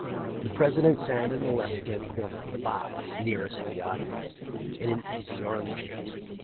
The President sat in the left hand corner of the box, nearest the audi ence, in an easy arm chair.